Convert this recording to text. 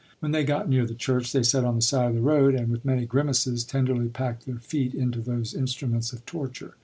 When they got near the church, they sat on the side of the road and, with many grimaces, tenderly packed their feet into those instruments of torture.